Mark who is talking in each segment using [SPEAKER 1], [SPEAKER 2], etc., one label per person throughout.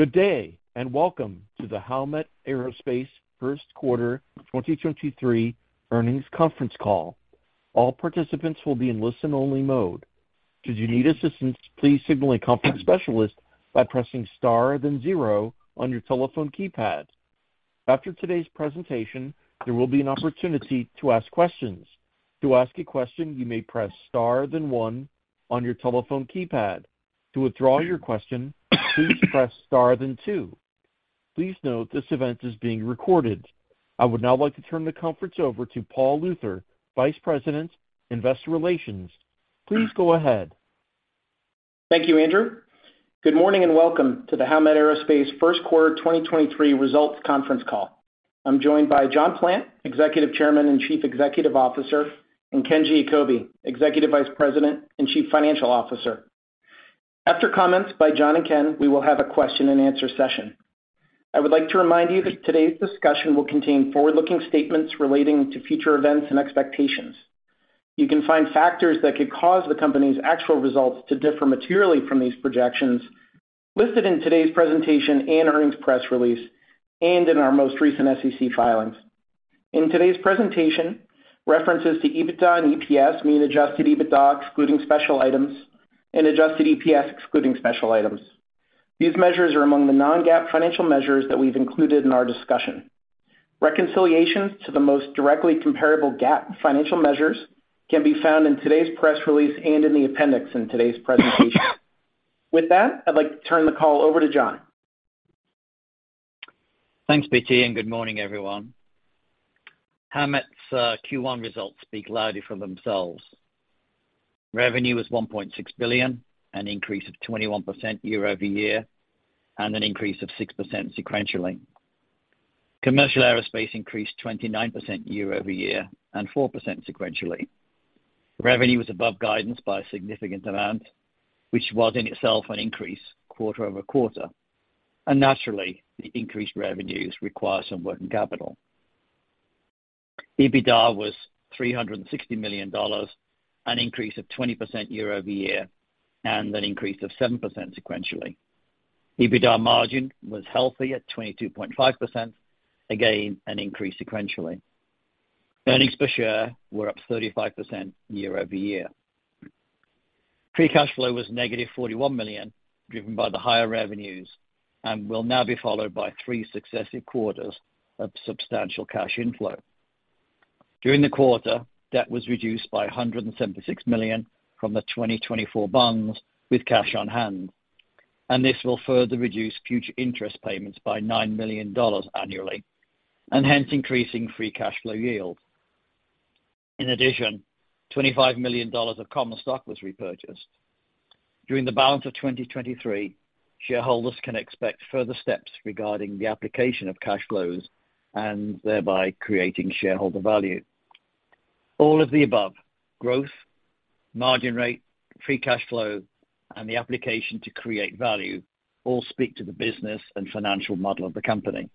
[SPEAKER 1] Good day, welcome to the Howmet Aerospace first quarter 2023 earnings conference call. All participants will be in listen-only mode. Should you need assistance, please signal a conference specialist by pressing star then zero on your telephone keypad. After today's presentation, there will be an opportunity to ask questions. To ask a question, you may press Star then one on your telephone keypad. To withdraw your question, please press star then two. Please note this event is being recorded. I would now like to turn the conference over to Paul Luther, Vice President, Investor Relations. Please go ahead.
[SPEAKER 2] Thank you, Andrew. Good morning and welcome to the Howmet Aerospace first quarter 2023 results conference call. I'm joined by John Plant, Executive Chairman and Chief Executive Officer, and Ken Giacobbe, Executive Vice President and Chief Financial Officer. After comments by John and Ken, we will have a question-and-answer session. I would like to remind you that today's discussion will contain forward-looking statements relating to future events and expectations. You can find factors that could cause the company's actual results to differ materially from these projections listed in today's presentation and earnings press release, and in our most recent SEC filings. In today's presentation, references to EBITDA and EPS mean adjusted EBITDA excluding special items and adjusted EPS excluding special items. These measures are among the non-GAAP financial measures that we've included in our discussion. Reconciliations to the most directly comparable GAAP financial measures can be found in today's press release and in the appendix in today's presentation. With that, I'd like to turn the call over to John.
[SPEAKER 3] Thanks, PT. Good morning, everyone. Howmet's Q1 results speak loudly for themselves. Revenue was $1.6 billion, an increase of 21% year-over-year, and an increase of 6% sequentially. Commercial Aerospace increased 29% year-over-year and 4% sequentially. Revenue was above guidance by a significant amount, which was in itself an increase quarter-over-quarter. Naturally, the increased revenues require some working capital. EBITDA was $360 million, an increase of 20% year-over-year, and an increase of 7% sequentially. EBITDA margin was healthy at 22.5%, again, an increase sequentially. Earnings per share were up 35% year-over-year. Free cash flow was negative $41 million, driven by the higher revenues, and will now be followed by three successive quarters of substantial cash inflow. During the quarter, debt was reduced by $176 million from the 2024 bonds with cash on hand. This will further reduce future interest payments by $9 million annually, hence increasing free cash flow yield. In addition, $25 million of common stock was repurchased. During the balance of 2023, shareholders can expect further steps regarding the application of cash flows thereby creating shareholder value. All of the above, growth, margin rate, free cash flow, the application to create value all speak to the business and financial model of the company.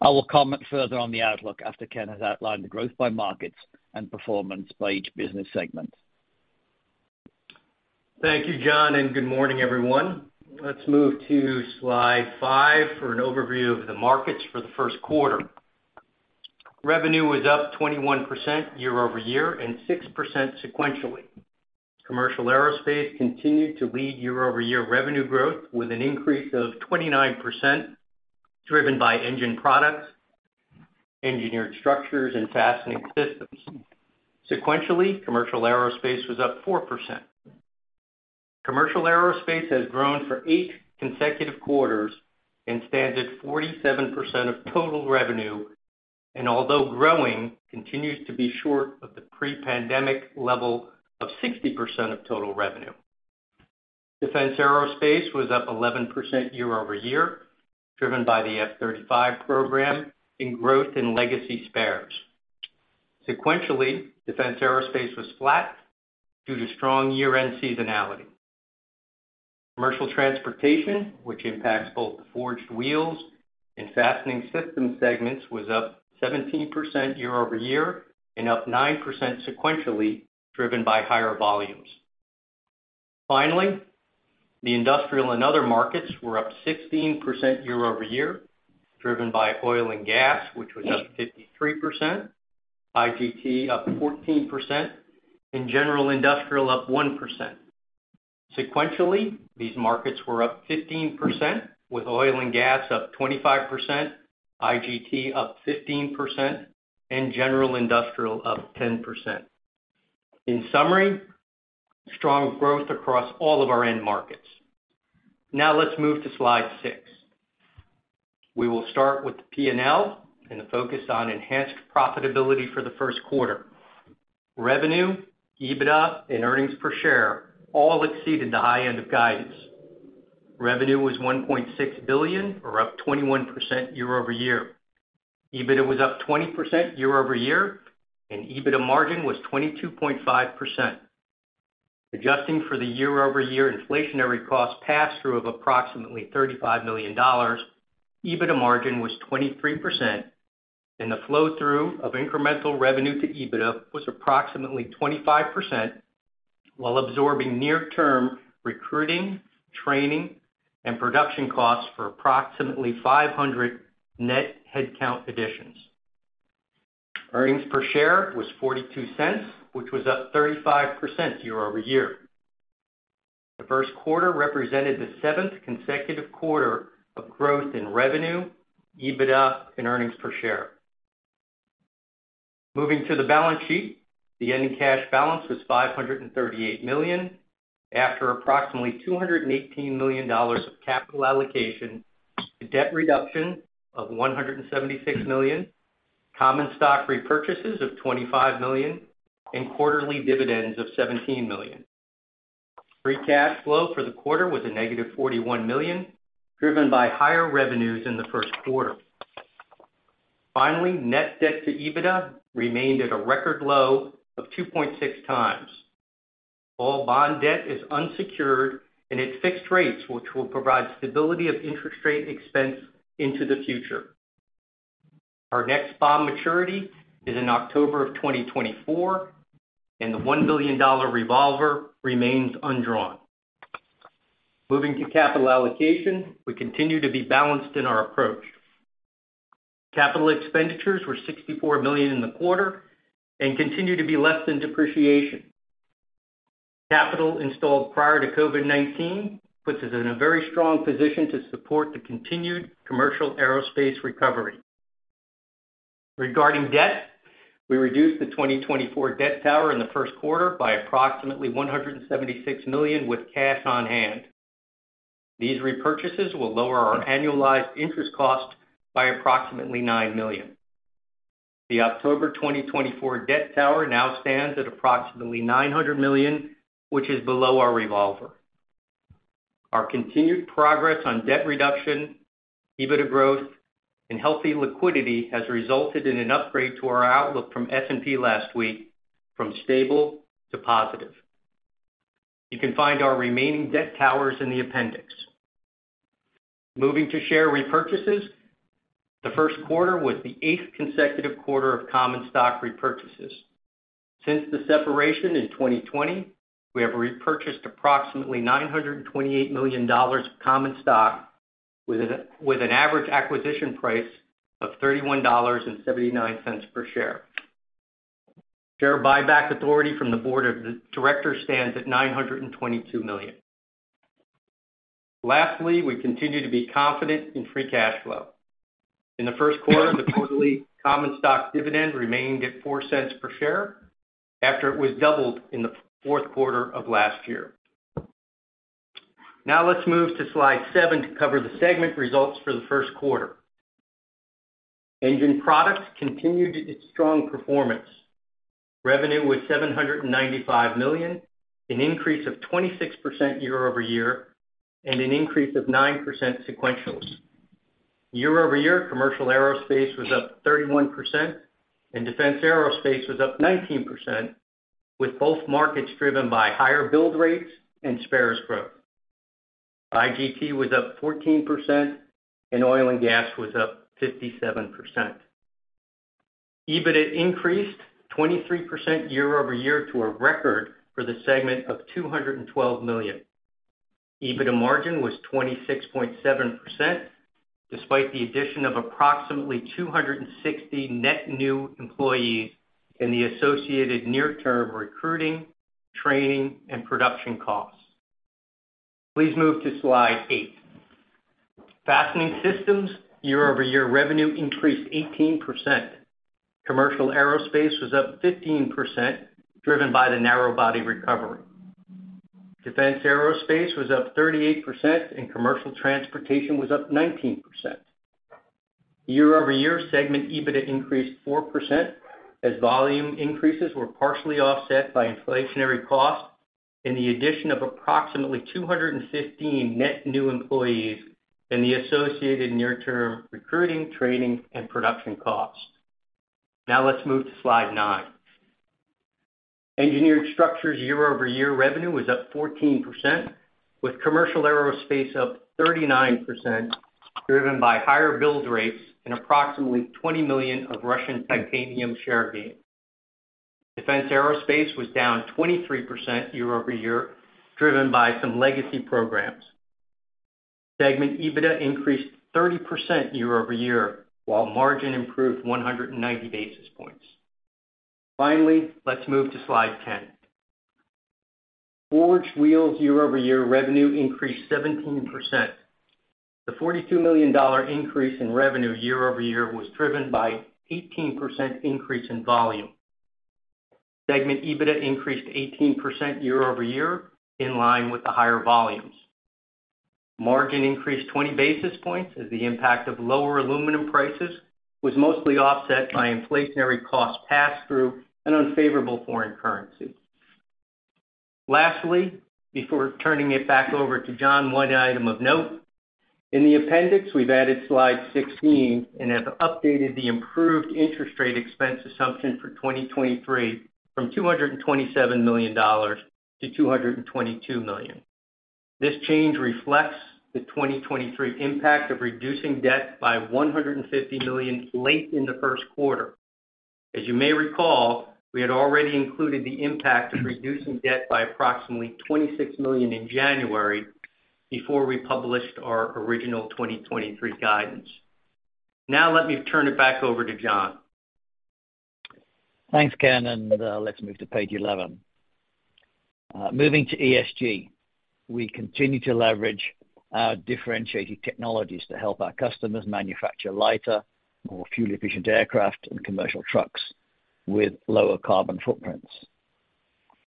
[SPEAKER 3] I will comment further on the outlook after Ken has outlined the growth by markets and performance by each business segment.
[SPEAKER 4] Thank you, John, and good morning, everyone. Let's move to slide five for an overview of the markets for the first quarter. Revenue was up 21% year-over-year and 6% sequentially. Commercial Aerospace continued to lead year-over-year revenue growth with an increase of 29%, driven by Engine Products, Engineered Structures, and Fastening Systems. Sequentially, Commercial Aerospace was up 4%. Commercial Aerospace has grown for eight consecutive quarters and stands at 47% of total revenue, and although growing, continues to be short of the pre-pandemic level of 60% of total revenue. Defense Aerospace was up 11% year-over-year, driven by the F-35 program in growth in legacy spares. Sequentially, Defense Aerospace was flat due to strong year-end seasonality. Commercial transportation, which impacts both the Forged Wheels and Fastening Systems segments, was up 17% year-over-year and up 9% sequentially, driven by higher volumes. Finally, the Industrial and Other markets were up 16% year-over-year, driven by oil and gas, which was up 53%, IGT up 14%, and general industrial up 1%. Sequentially, these markets were up 15%, with oil and gas up 25%, IGT up 15%, and general industrial up 10%. In summary, strong growth across all of our end markets. Let's move to Slide six. We will start with the P&L and the focus on enhanced profitability for the first quarter. Revenue, EBITDA, and earnings per share all exceeded the high end of guidance. Revenue was $1.6 billion or up 21% year-over-year. EBITDA was up 20% year-over-year, and EBITDA margin was 22.5%. Adjusting for the year-over-year inflationary cost pass-through of approximately $35 million, EBITDA margin was 23%, and the flow-through of incremental revenue to EBITDA was approximately 25%. While absorbing near-term recruiting, training, and production costs for approximately 500 net headcount additions. Earnings per share was $0.42, which was up 35% year-over-year. The first quarter represented the seventh consecutive quarter of growth in revenue, EBITDA, and earnings per share. Moving to the balance sheet, the ending cash balance was $538 million, after approximately $218 million of capital allocation, a debt reduction of $176 million, common stock repurchases of $25 million, and quarterly dividends of $17 million. Free cash flow for the quarter was a negative $41 million, driven by higher revenues in the first quarter. Net debt-to-EBITDA remained at a record low of 2.6x. All bond debt is unsecured and at fixed rates, which will provide stability of interest rate expense into the future. Our next bond maturity is in October of 2024, and the $1 billion revolver remains undrawn. Moving to capital allocation, we continue to be balanced in our approach. CapEx were $64 million in the quarter and continue to be less than depreciation. Capital installed prior to COVID-19 puts us in a very strong position to support the continued Commercial Aerospace recovery. Regarding debt, we reduced the 2024 debt tower in the first quarter by approximately $176 million with cash on hand. These repurchases will lower our annualized interest cost by approximately $9 million. The October 2024 debt tower now stands at approximately $900 million, which is below our revolver. Our continued progress on debt reduction, EBITDA growth, and healthy liquidity has resulted in an upgrade to our outlook from S&P last week, from stable to positive. You can find our remaining debt towers in the appendix. Moving to share repurchases, the first quarter was the eighth consecutive quarter of common stock repurchases. Since the separation in 2020, we have repurchased approximately $928 million of common stock, with an average acquisition price of $31.79 per share. Share buyback authority from the board of the directors stands at $922 million. Lastly, we continue to be confident in free cash flow. In the first quarter, the quarterly common stock dividend remained at $0.04 per share after it was doubled in the fourth quarter of last year. Let's move to slide seven to cover the segment results for the first quarter. Engine Products continued its strong performance. Revenue was $795 million, an increase of 26% year-over-year, and an increase of 9% sequentially. Year-over-year, Commercial Aerospace was up 31% and Defense Aerospace was up 19%, with both markets driven by higher build rates and spares growth. IGT was up 14% and oil and gas was up 57%. EBITDA increased 23% year-over-year to a record for the segment of $212 million. EBITDA margin was 26.7% despite the addition of approximately 260 net new employees and the associated near-term recruiting, training, and production costs. Please move to slide eight. Fastening Systems, year-over-year revenue increased 18%. Commercial Aerospace was up 15%, driven by the narrow body recovery. Defense Aerospace was up 38% and commercial transportation was up 19%. Year-over-year segment EBITDA increased 4% as volume increases were partially offset by inflationary costs and the addition of approximately 215 net new employees and the associated near-term recruiting, training, and production costs. Now let's move to slide 9. Engineered Structures year-over-year revenue was up 14%, with Commercial Aerospace up 39%, driven by higher build rates and approximately $20 million of Russian titanium share gain. Defense Aerospace was down 23% year-over-year, driven by some legacy programs. Segment EBITDA increased 30% year-over-year, while margin improved 190 basis points. Let's move to slide 10. Forged Wheels year-over-year revenue increased 17%. The $42 million increase in revenue year-over-year was driven by 18% increase in volume. Segment EBITDA increased 18% year-over-year in line with the higher volumes. Margin increased 20 basis points as the impact of lower aluminum prices was mostly offset by inflationary cost pass-through and unfavorable foreign currency. Lastly, before turning it back over to John, one item of note. In the appendix, we've added slide 16 and have updated the improved interest rate expense assumption for 2023 from $227 million to $222 million. This change reflects the 2023 impact of reducing debt by $150 million late in the first quarter. As you may recall, we had already included the impact of reducing debt by approximately $26 million in January before we published our original 2023 guidance. Let me turn it back over to John.
[SPEAKER 3] Thanks, Ken. Let's move to page 11. Moving to ESG. We continue to leverage our differentiated technologies to help our customers manufacture lighter, more fuel-efficient aircraft and commercial trucks with lower carbon footprints.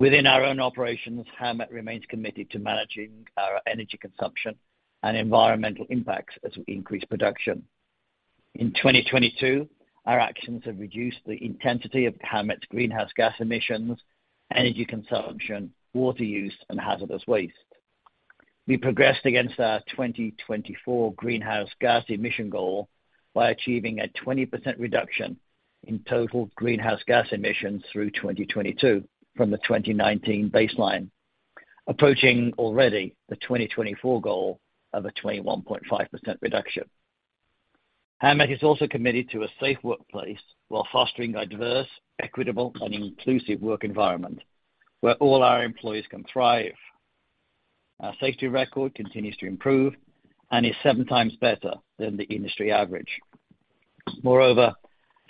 [SPEAKER 3] Within our own operations, Howmet remains committed to managing our energy consumption and environmental impacts as we increase production. In 2022, our actions have reduced the intensity of Howmet's greenhouse gas emissions, energy consumption, water use, and hazardous waste. We progressed against our 2024 greenhouse gas emission goal by achieving a 20% reduction in total greenhouse gas emissions through 2022 from the 2019 baseline, approaching already the 2024 goal of a 21.5% reduction. Howmet is also committed to a safe workplace while fostering a diverse, equitable, and inclusive work environment where all our employees can thrive. Our safety record continues to improve and is seven times better than the industry average.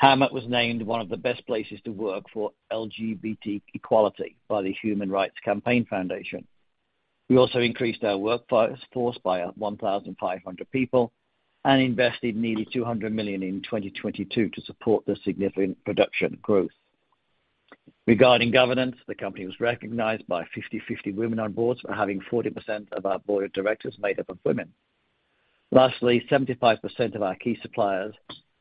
[SPEAKER 3] Howmet was named one of the Best Places to Work for LGBT Equality by the Human Rights Campaign Foundation. We also increased our workforce by 1,500 people and invested nearly $200 million in 2022 to support the significant production growth. Regarding governance, the company was recognized by 50/50 Women on Boards for having 40% of our board of directors made up of women. Lastly, 75% of our key suppliers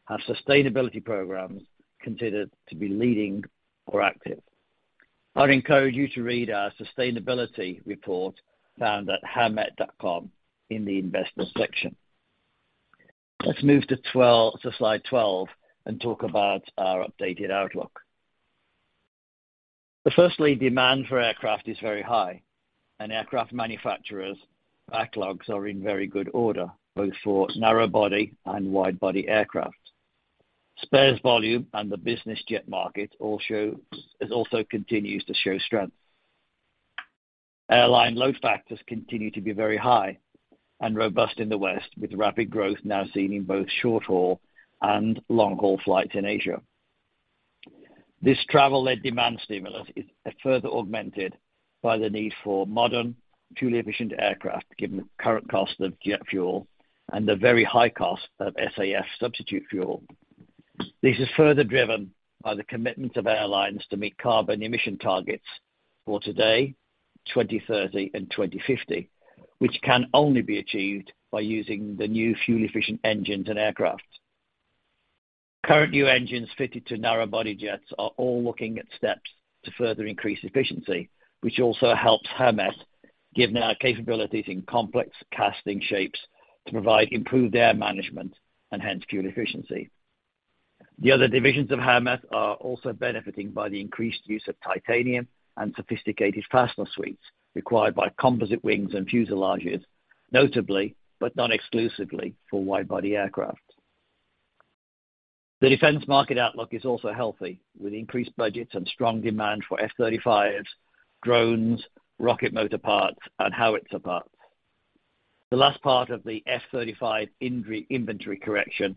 [SPEAKER 3] have sustainability programs considered to be leading or active. I'd encourage you to read our sustainability report found at howmet.com in the investors section. Let's move to slide 12 and talk about our updated outlook. Firstly, demand for aircraft is very high, and aircraft manufacturers' backlogs are in very good order, both for narrow body and wide body aircraft. Spares volume and the business jet market also continues to show strength. Airline load factors continue to be very high and robust in the West, with rapid growth now seen in both short-haul and long-haul flights in Asia. This travel-led demand stimulus is further augmented by the need for modern, fuel-efficient aircraft, given the current cost of jet fuel and the very high cost of SAF substitute fuel. This is further driven by the commitment of airlines to meet carbon emission targets for today, 2030 and 2050, which can only be achieved by using the new fuel-efficient engines and aircraft. Current new engines fitted to narrow-body jets are all looking at steps to further increase efficiency, which also helps Howmet given our capabilities in complex casting shapes to provide improved air management and hence fuel efficiency. The other divisions of Howmet are also benefiting by the increased use of titanium and sophisticated fastener suites required by composite wings and fuselages, notably, but not exclusively, for wide-body aircraft. The defense market outlook is also healthy, with increased budgets and strong demand for F-35s, drones, rocket motor parts, and howitzer parts. The last part of the F-35 inventory correction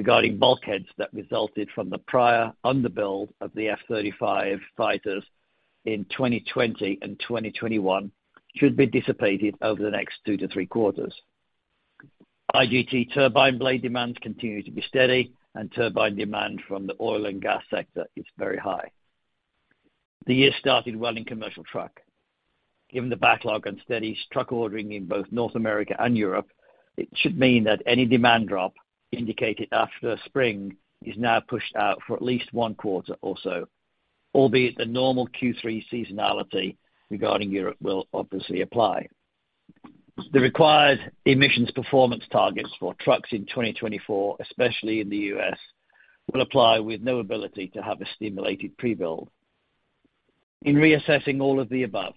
[SPEAKER 3] regarding bulkheads that resulted from the prior underbuild of the F-35 fighters in 2020 and 2021 should be dissipated over the next two to three quarters. IGT turbine blade demands continue to be steady, and turbine demand from the oil and gas sector is very high. The year started well in commercial truck. Given the backlog and steady truck ordering in both North America and Europe, it should mean that any demand drop indicated after spring is now pushed out for at least one quarter or so, albeit the normal Q3 seasonality regarding Europe will obviously apply. The required emissions performance targets for trucks in 2024, especially in the U.S., will apply with no ability to have a stimulated pre-build. In reassessing all of the above,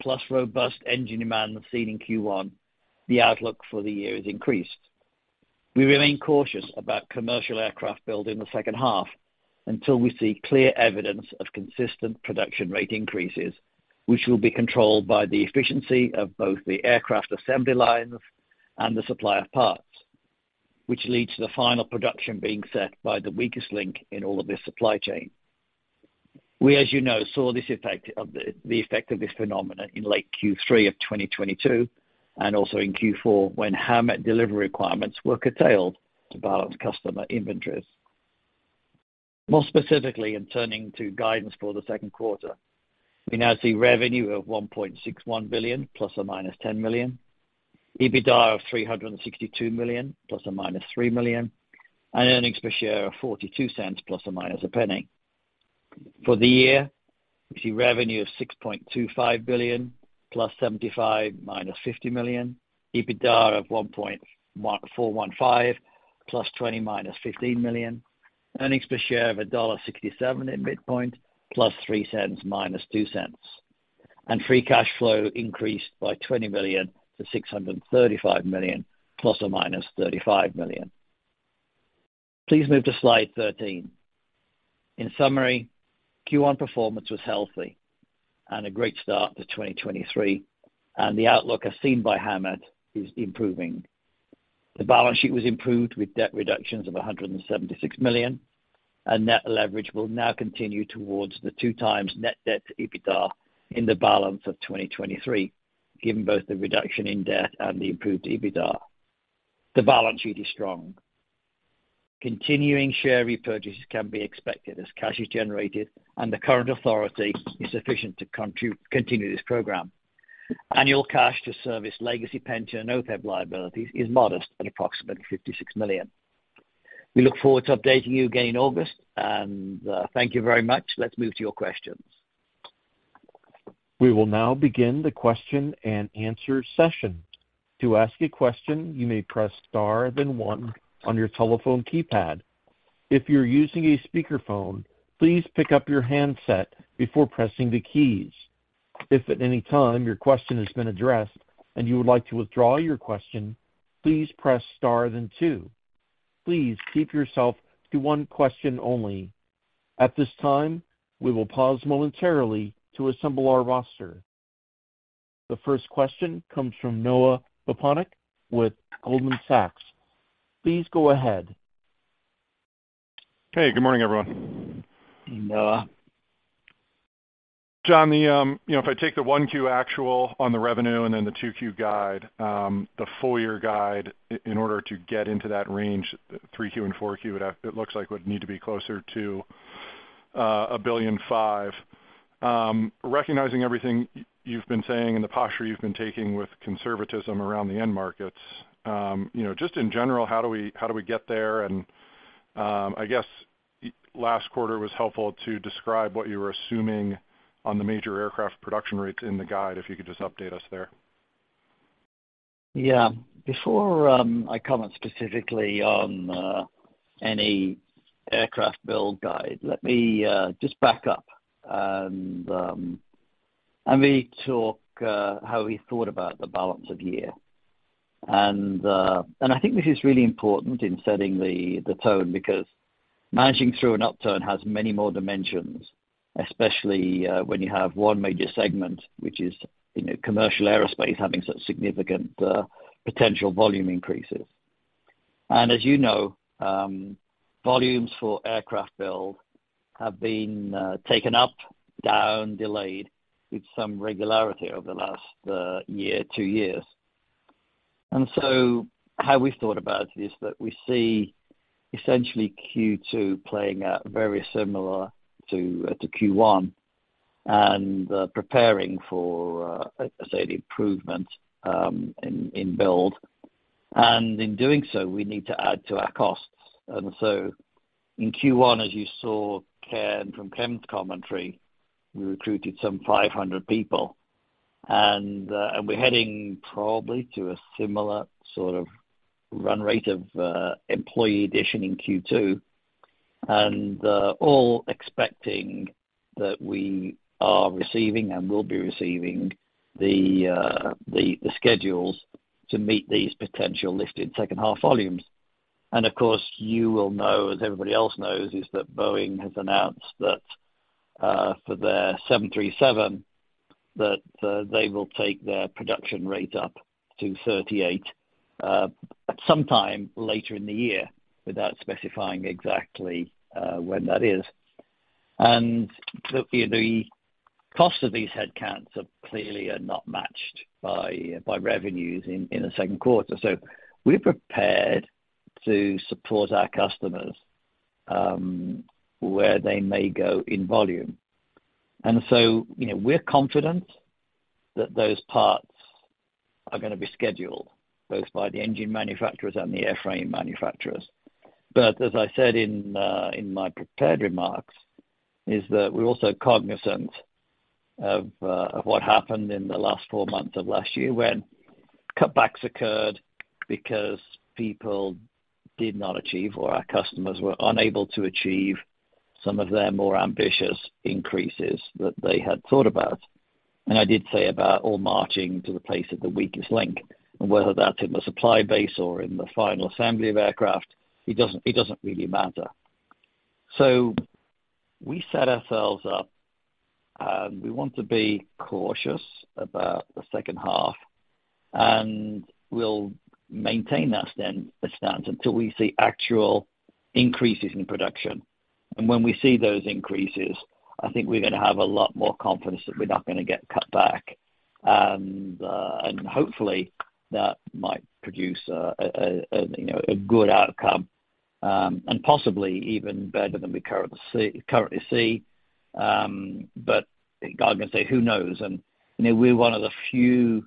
[SPEAKER 3] plus robust engine demand seen in Q1, the outlook for the year is increased. We remain cautious about commercial aircraft build in the second half until we see clear evidence of consistent production rate increases, which will be controlled by the efficiency of both the aircraft assembly lines and the supply of parts, which leads to the final production being set by the weakest link in all of this supply chain. We, as you know, saw this effect of this phenomenon in late Q3 of 2022 and also in Q4 when Howmet delivery requirements were curtailed to balance customer inventories. More specifically, in turning to guidance for the second quarter, we now see revenue of $1.61 billion ±$10 million, EBITDA of $362 million ±$3 million, and earnings per share of $0.42 ±$0.01. For the year, we see revenue of $6.25 billion +$75 million -$50 million, EBITDA of $1.415 billion +$20 million -$15 million. Earnings per share of $1.67 at midpoint, +$0.03 -$0.02. Free cash flow increased by $20 million to $635 million, ±$35 million. Please move to slide 13. In summary, Q1 performance was healthy and a great start to 2023. The outlook, as seen by Howmet, is improving. The balance sheet was improved with debt reductions of $176 million. Net leverage will now continue towards the 2x net debt-to-EBITDA in the balance of 2023, given both the reduction in debt and the improved EBITDA. The balance sheet is strong. Continuing share repurchases can be expected as cash is generated, and the current authority is sufficient to continue this program. Annual cash to service legacy pension OPEB liabilities is modest at approximately $56 million. We look forward to updating you again in August, and thank you very much. Let's move to your questions.
[SPEAKER 1] We will now begin the question-and-answer session. To ask a question, you may press star then one on your telephone keypad. If you're using a speakerphone, please pick up your handset before pressing the keys. If at any time your question has been addressed and you would like to withdraw your question, please press star then two. Please keep yourself to one question only. At this time, we will pause momentarily to assemble our roster. The first question comes from Noah Poponak with Goldman Sachs. Please go ahead.
[SPEAKER 5] Hey, good morning, everyone.
[SPEAKER 3] Noah.
[SPEAKER 5] John, you know, if I take the 1Q actual on the revenue and then the 2Q guide, the full-year guide in order to get into that range, 3Q and 4Q, it looks like would need to be closer to $1.5 billion. Recognizing everything you've been saying and the posture you've been taking with conservatism around the end markets, you know, just in general, how do we, how do we get there? I guess last quarter was helpful to describe what you were assuming on the major aircraft production rates in the guide, if you could just update us there.
[SPEAKER 3] Yeah. Before I comment specifically on any aircraft build guide, let me just back up and let me talk how we thought about the balance of year. I think this is really important in setting the tone, because managing through an upturn has many more dimensions, especially when you have one major segment, which is, you know, Commercial Aerospace having such significant potential volume increases. As you know, volumes for aircraft build have been taken up, down, delayed with some regularity over the last year, two years. How we've thought about it is that we see essentially Q2 playing out very similar to Q1 and preparing for, as I say, the improvement in build. In doing so, we need to add to our costs. In Q1, as you saw, from Ken's commentary, we recruited 500 people. We're heading probably to a similar sort of run rate of employee addition in Q2. All expecting that we are receiving and will be receiving the schedules to meet these potential listed second half volumes. Of course, you will know, as everybody else knows, is that Boeing has announced that for their 737, they will take their production rate up to 38 at some time later in the year without specifying exactly when that is. The, you know, the cost of these headcounts are clearly not matched by revenues in the second quarter. We're prepared to support our customers where they may go in volume. You know, we're confident that those parts are going to be scheduled both by the engine manufacturers and the airframe manufacturers. As I said in my prepared remarks, is that we're also cognizant of what happened in the last four months of last year when cutbacks occurred because people did not achieve or our customers were unable to achieve some of their more ambitious increases that they had thought about. I did say about all marching to the place of the weakest link, and whether that's in the supply base or in the final assembly of aircraft, it doesn't really matter. We set ourselves up and we want to be cautious about the second half, and we'll maintain that stance until we see actual increases in production. When we see those increases, I think we're gonna have a lot more confidence that we're not gonna get cut back. Hopefully that might produce a, you know, a good outcome, and possibly even better than we currently see. I can say, who knows? You know, we're one of the few,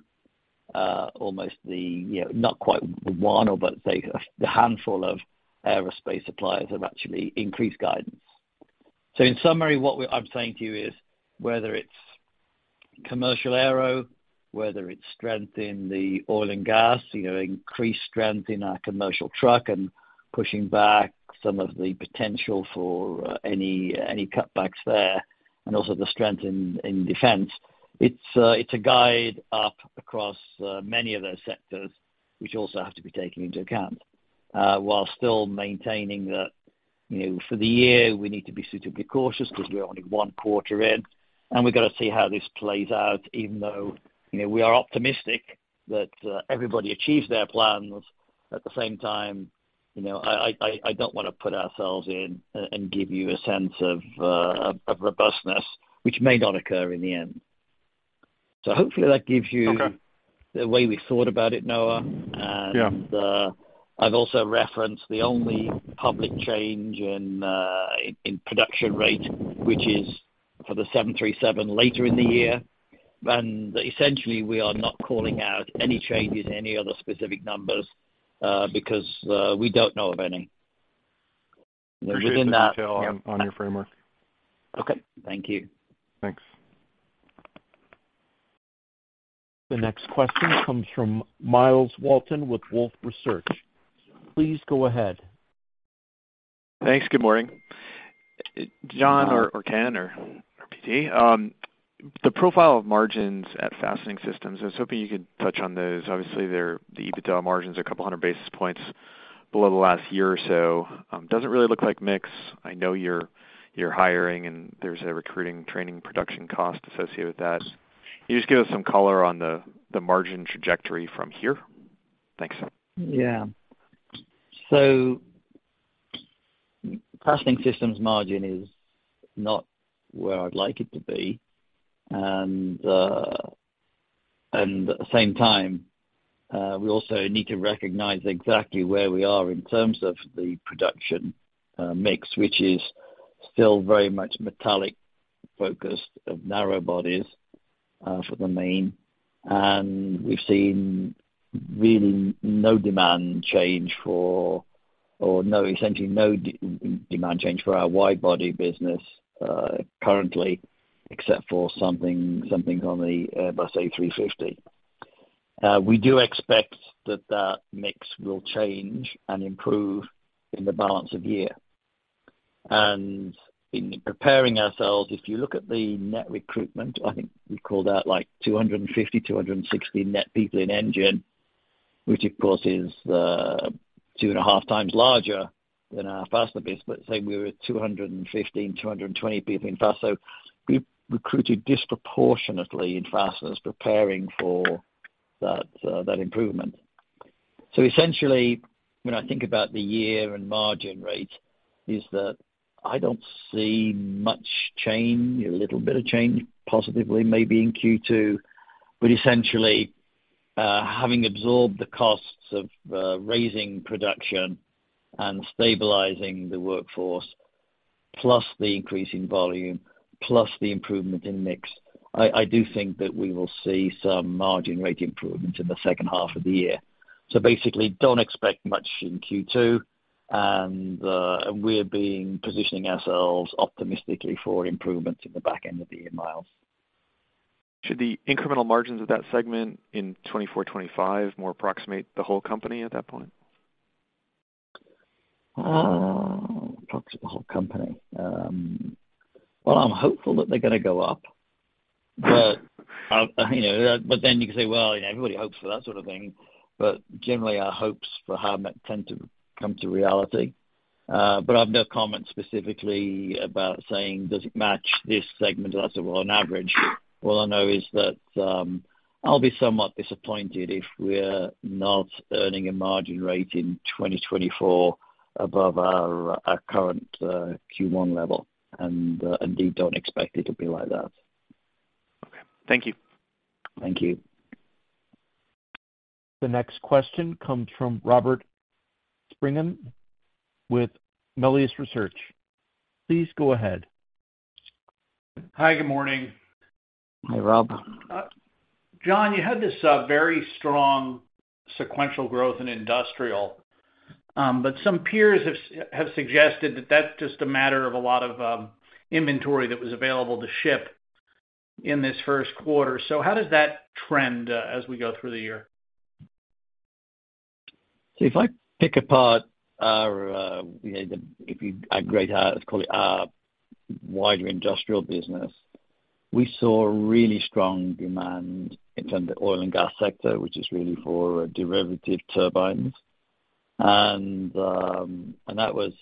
[SPEAKER 3] almost the, you know, not quite the one or but say a handful of aerospace suppliers have actually increased guidance. In summary, what I'm saying to you is whether it's commercial aero, whether it's strength in the oil and gas, you know, increased strength in our commercial truck and pushing back some of the potential for any cutbacks there and also the strength in defense. It's a guide up across, many of those sectors which also have to be taken into account, while still maintaining that, you know, for the year, we need to be suitably cautious because we're only one quarter in. We've got to see how this plays out. Even though, you know, we are optimistic that, everybody achieves their plans. At the same time, you know, I don't want to put ourselves in and give you a sense of robustness which may not occur in the end. Hopefully that gives you—
[SPEAKER 5] Okay.
[SPEAKER 3] The way we thought about it, Noah.
[SPEAKER 5] Yeah.
[SPEAKER 3] I've also referenced the only public change in production rate, which is for the 737 later in the year. Essentially, we are not calling out any changes, any other specific numbers, because we don't know of any.
[SPEAKER 5] Appreciate the detail on your framework.
[SPEAKER 3] Okay. Thank you.
[SPEAKER 5] Thanks.
[SPEAKER 1] The next question comes from Myles Walton with Wolfe Research. Please go ahead.
[SPEAKER 6] Thanks. Good morning. John or Ken or PT. The profile of margins at Fastening Systems, I was hoping you could touch on those. Obviously, the EBITDA margins are a couple hundred basis points below the last year or so. Doesn't really look like mix. I know you're hiring and there's a recruiting training production cost associated with that. Can you just give us some color on the margin trajectory from here? Thanks.
[SPEAKER 3] Yeah. Fastening Systems margin is not where I'd like it to be. At the same time, we also need to recognize exactly where we are in terms of the production mix, which is still very much metallic focused of narrow bodies for the main. We've seen really no demand change for essentially no de-demand change for our wide body business currently except for something on the Airbus A350. We do expect that mix will change and improve in the balance of the year. In preparing ourselves, if you look at the net recruitment, I think we called out like 250, 260 net people in Engine, which of course is 2.5x larger than our faster business. Say we were at 215, 220 people in Fastening. We recruited disproportionately in Fastening as preparing for that improvement. Essentially, when I think about the year and margin rate, is that I don't see much change. A little bit of change positively maybe in Q2, but essentially, having absorbed the costs of raising production and stabilizing the workforce, plus the increase in volume, plus the improvement in mix. I do think that we will see some margin rate improvement in the second half of the year. Basically don't expect much in Q2. We're positioning ourselves optimistically for improvement in the back end of the year, Myles.
[SPEAKER 6] Should the incremental margins of that segment in 2024, 2025 more approximate the whole company at that point?
[SPEAKER 3] Approximate the whole company. Well, I'm hopeful that they're gonna go up, you know, then you can say, well, everybody hopes for that sort of thing, generally our hopes for Howmet tend to come to reality. I've no comment specifically about saying, does it match this segment or that segment on average? All I know is that, I'll be somewhat disappointed if we're not earning a margin rate in 2024 above our current Q1 level, and indeed don't expect it to be like that.
[SPEAKER 6] Okay. Thank you.
[SPEAKER 3] Thank you.
[SPEAKER 1] The next question comes from Robert Spingarn with Melius Research. Please go ahead.
[SPEAKER 7] Hi. Good morning.
[SPEAKER 3] Hi, Rob.
[SPEAKER 7] John, you had this, very strong sequential growth in Industrial. Some peers have suggested that that's just a matter of a lot of, inventory that was available to ship in this first quarter. How does that trend, as we go through the year?
[SPEAKER 3] If I pick apart our, you know, if you aggregate, let's call it our wider industrial business, we saw really strong demand in terms of oil and gas sector, which is really for derivative turbines. That was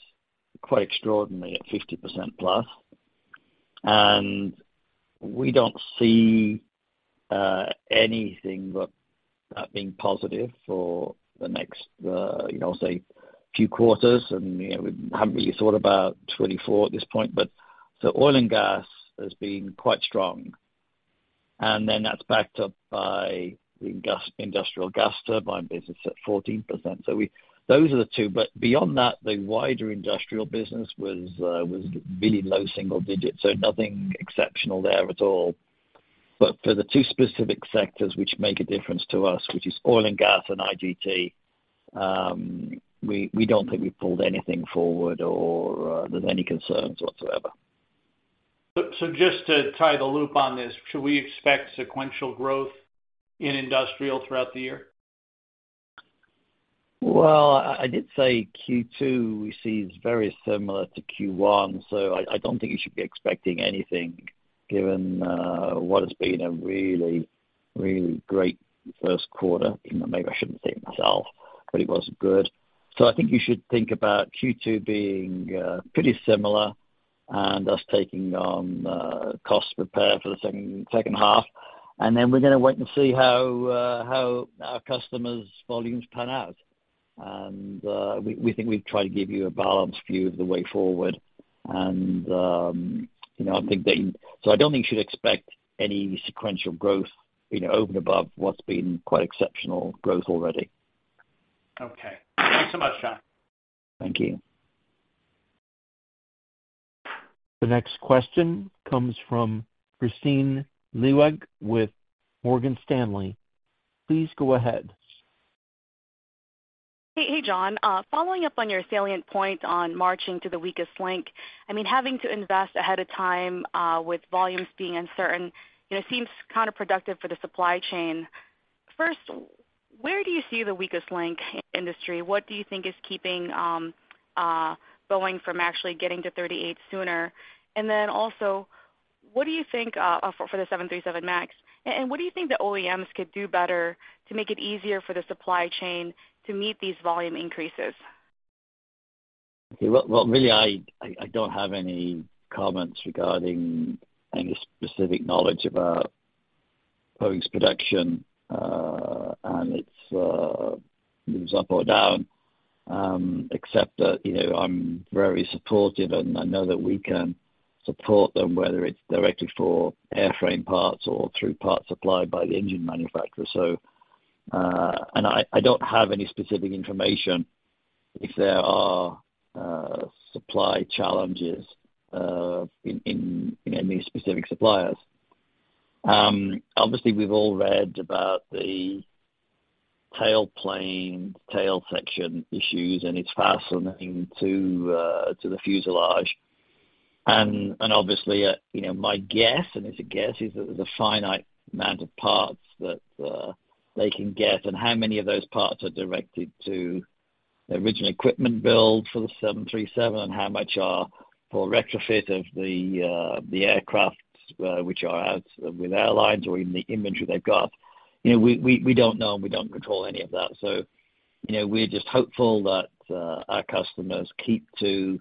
[SPEAKER 3] quite extraordinary at 50%+. We don't see anything but that being positive for the next, you know, say few quarters. You know, we haven't really thought about 2024 at this point, but oil and gas has been quite strong. That's backed up by the industrial gas turbine business at 14%. Those are the two. Beyond that, the wider industrial business was really low single digits, so nothing exceptional there at all. For the two specific sectors which make a difference to us, which is oil and gas and IGT, we don't think we pulled anything forward or there's any concerns whatsoever.
[SPEAKER 7] Just to tie the loop on this, should we expect sequential growth in Industrial throughout the year?
[SPEAKER 3] Well, I did say Q2 we see is very similar to Q1. I don't think you should be expecting anything given what has been a really, really great first quarter, even though maybe I shouldn't say it myself, but it was good. I think you should think about Q2 being pretty similar and us taking on cost prepare for the second half. We're gonna wait and see how our customers' volumes pan out. We think we've tried to give you a balanced view of the way forward. I don't think you should expect any sequential growth, you know, over and above what's been quite exceptional growth already.
[SPEAKER 7] Okay. Thanks so much, John.
[SPEAKER 3] Thank you.
[SPEAKER 1] The next question comes from Kristine Liwag with Morgan Stanley. Please go ahead.
[SPEAKER 8] Hey, hey, John. Following up on your salient point on marching to the weakest link. I mean, having to invest ahead of time, with volumes being uncertain, you know, seems counterproductive for the supply chain. First, where do you see the weakest link industry? What do you think is keeping Boeing from actually getting to 38 sooner? Also, what do you think for the 737 MAX? What do you think the OEMs could do better to make it easier for the supply chain to meet these volume increases?
[SPEAKER 3] Well, really, I don't have any comments regarding any specific knowledge about Boeing's production and its moves up or down, except that, you know, I'm very supportive, and I know that we can support them, whether it's directly for airframe parts or through parts supplied by the engine manufacturer. I don't have any specific information if there are supply challenges in any specific suppliers. Obviously we've all read about the tail plane, tail section issues and its fastening to the fuselage. Obviously, you know, my guess, and it's a guess, is that there's a finite amount of parts that they can get, and how many of those parts are directed to the original equipment build for the 737 and how much are for retrofit of the aircraft, which are out with airlines or even the inventory they've got. You know, we don't know and we don't control any of that. You know, we're just hopeful that our customers keep to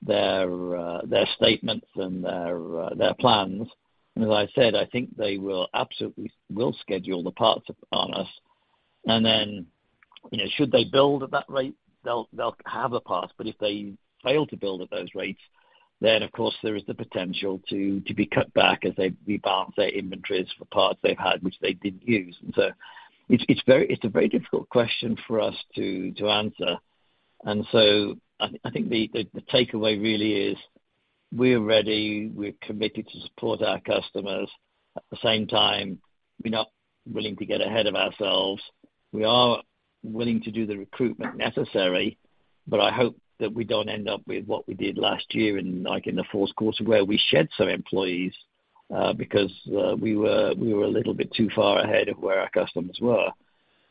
[SPEAKER 3] their statements and their plans. As I said, I think they absolutely will schedule the parts on us. Then, you know, should they build at that rate, they'll have the parts, but if they fail to build at those rates, then of course there is the potential to be cut back as they rebalance their inventories for parts they've had which they didn't use. So it's very, it's a very difficult question for us to answer. So I think the takeaway really is we're ready, we're committed to support our customers. At the same time, we're not willing to get ahead of ourselves. We are willing to do the recruitment necessary, but I hope that we don't end up with what we did last year in, like, in the fourth quarter, where we shed some employees, because we were a little bit too far ahead of where our customers were.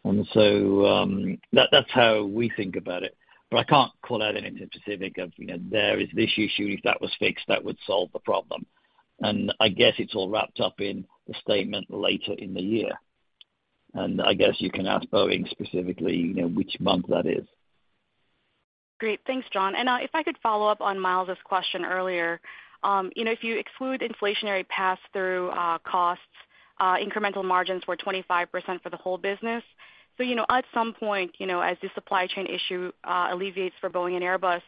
[SPEAKER 3] That's how we think about it. I can't call out anything specific of, you know, there is this issue. If that was fixed, that would solve the problem. I guess it's all wrapped up in the statement later in the year. I guess you can ask Boeing specifically, you know, which month that is.
[SPEAKER 8] Great. Thanks, John. If I could follow up on Myles's question earlier. You know, if you exclude inflationary pass-through costs, incremental margins were 25% for the whole business. You know, at some point, you know, as the supply chain issue alleviates for Boeing and Airbus,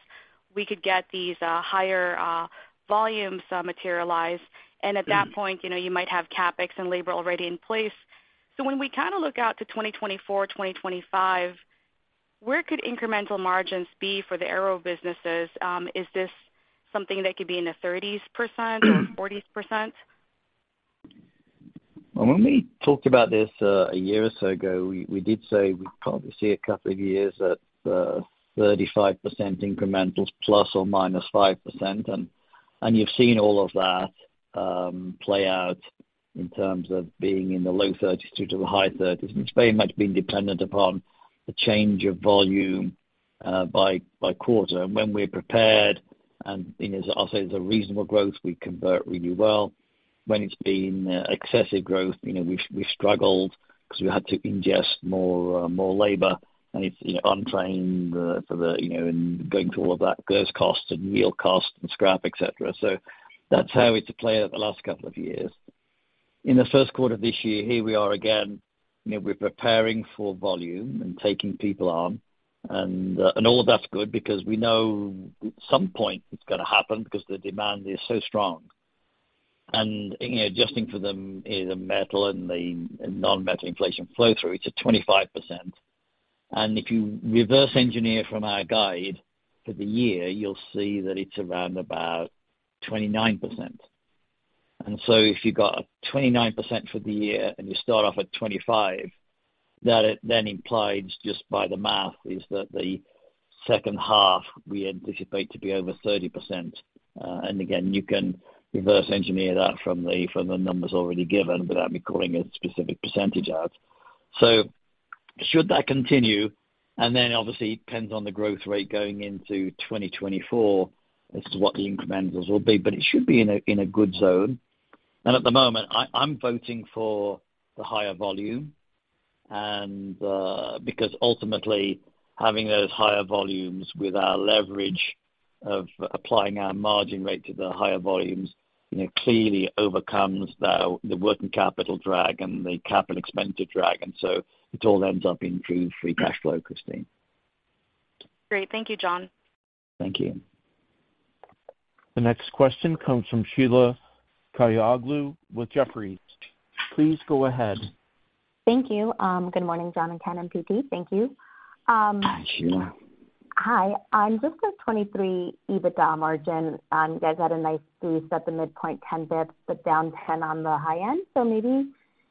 [SPEAKER 8] we could get these higher volumes materialize. At that point, you know, you might have CapEx and labor already in place. When we kind of look out to 2024, 2025, where could incremental margins be for the Aero businesses? Is this something that could be in the 30s% or 40s%?
[SPEAKER 3] Well, when we talked about this, a year or so ago, we did say we probably see a couple of years at 35% incrementals ±5%. You've seen all of that play out in terms of being in the low 30s to the high 30s. It's very much been dependent upon the change of volume by quarter. When we're prepared, and, you know, I'll say it's a reasonable growth, we convert really well. When it's been excessive growth, you know, we've struggled 'cause we had to ingest more, more labor and it's, you know, untrained the, for the, you know, and going through all of that, there's costs and real costs and scrap, et cetera. That's how it's played out the last couple of years. In the first quarter of this year, here we are again, you know, we're preparing for volume and taking people on and all of that's good because we know at some point it's gonna happen because the demand is so strong. You know, adjusting for the, you know, the metal and the non-metal inflation flow through, it's at 25%. If you reverse engineer from our guide for the year, you'll see that it's around about 29%. If you got a 29% for the year and you start off at 25%, that then implies just by the math, is that the second half we anticipate to be over 30%. Again, you can reverse engineer that from the, from the numbers already given without me calling a specific percentage out. Should that continue, and then obviously it depends on the growth rate going into 2024 as to what the incrementals will be, but it should be in a good zone. At the moment, I'm voting for the higher volume and because ultimately having those higher volumes with our leverage of applying our margin rate to the higher volumes, you know, clearly overcomes the working capital drag and the capital expenditure drag. It all ends up in free cash flow, Kristine.
[SPEAKER 8] Great. Thank you, John.
[SPEAKER 3] Thank you.
[SPEAKER 1] The next question comes from Sheila Kahyaoglu with Jefferies. Please go ahead.
[SPEAKER 9] Thank you. Good morning, John and Ken and PT. Thank you.
[SPEAKER 3] Hi, Sheila.
[SPEAKER 9] Hi. On just the 2023 EBITDA margin, you guys had a nice boost at the midpoint, 10 basis points, but down 10 basis points on the high end. Maybe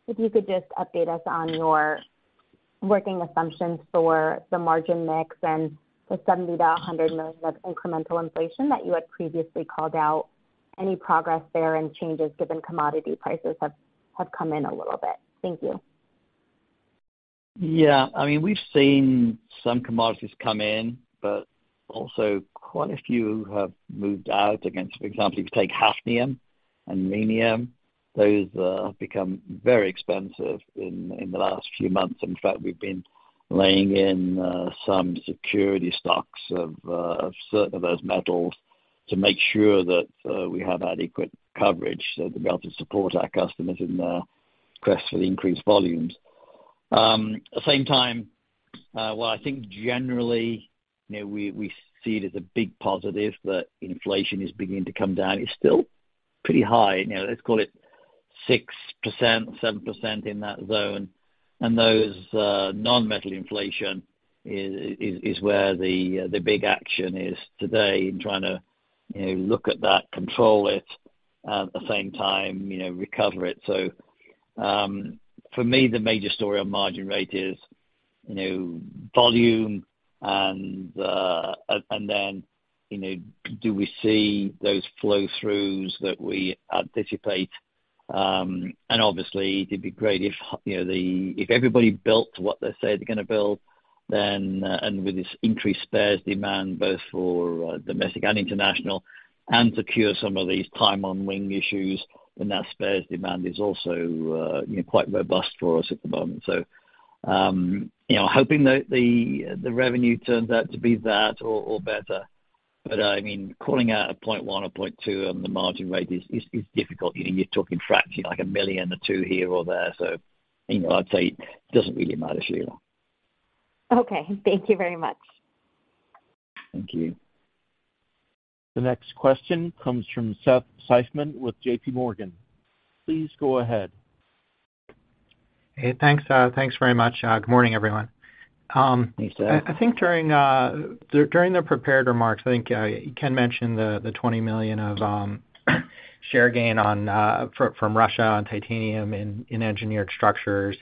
[SPEAKER 9] if you could just update us on your working assumptions for the margin mix and the $70 million-$100 million of incremental inflation that you had previously called out, any progress there and changes given commodity prices have come in a little bit? Thank you.
[SPEAKER 3] I mean, we've seen some commodities come in, but also quite a few have moved out against. For example, if you take hafnium and rhenium, those have become very expensive in the last few months. In fact, we've been laying in some security stocks of certain of those metals to make sure that we have adequate coverage so that we're able to support our customers in their quest for the increased volumes. At the same time, while I think generally, you know, we see it as a big positive that inflation is beginning to come down, it's still pretty high. You know, let's call it 6%, 7% in that zone. Those non-metal inflation is where the big action is today in trying to, you know, look at that, control it, at the same time, you know, recover it. For me, the major story on margin rate is, you know, volume and then, you know, do we see those flow throughs that we anticipate? Obviously it'd be great if, you know, if everybody built what they say they're gonna build then, and with this increased spares demand both for domestic and international, and to cure some of these time on wing issues, then that spares demand is also, you know, quite robust for us at the moment. Hoping the revenue turns out to be that or better. I mean, calling out a 0.1% or 0.2% on the margin rate is difficult. You're talking fractions, like $1 million or $2 million here or there. You know, I'd say it doesn't really matter, Sheila.
[SPEAKER 9] Okay. Thank you very much.
[SPEAKER 3] Thank you.
[SPEAKER 1] The next question comes from Seth Seifman with JPMorgan. Please go ahead.
[SPEAKER 10] Hey, thanks. Thanks very much. Good morning, everyone.
[SPEAKER 3] Thanks Seth.
[SPEAKER 10] I think during the prepared remarks, I think you, Ken mentioned the $20 million of share gain from Russia on titanium in Engineered Structures.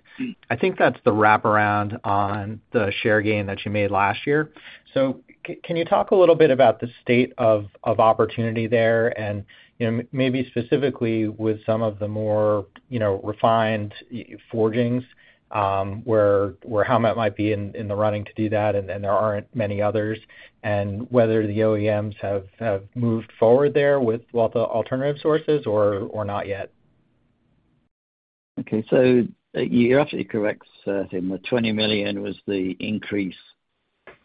[SPEAKER 10] I think that's the wraparound on the share gain that you made last year. Can you talk a little bit about the state of opportunity there and, you know, maybe specifically with some of the more, you know, refined forgings, where Howmet might be in the running to do that and there aren't many others, and whether the OEMs have moved forward there with a lot of alternative sources or not yet?
[SPEAKER 3] You're absolutely correct, Seth. The $20 million was the increase